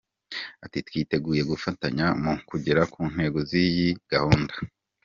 Ati” Twiteguye gufatanya mu kugera ku ntego z’iyi gahunda.